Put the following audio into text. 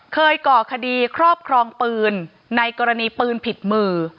ก่อคดีครอบครองปืนในกรณีปืนผิดมือ